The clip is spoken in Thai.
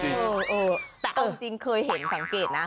เออแต่เอาจริงเคยเห็นสังเกตนะ